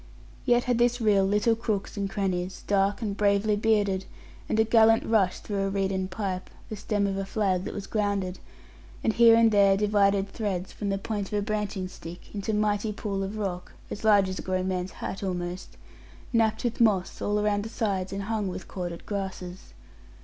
Yet had this rill little crooks and crannies dark and bravely bearded, and a gallant rush through a reeden pipe the stem of a flag that was grounded; and here and there divided threads, from the points of a branching stick, into mighty pools of rock (as large as a grown man's hat almost) napped with moss all around the sides and hung with corded grasses.